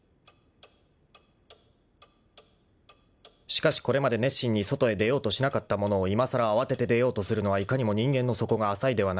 ［しかしこれまで熱心に外へ出ようとしなかった者をいまさら慌てて出ようとするのはいかにも人間の底が浅いではないか］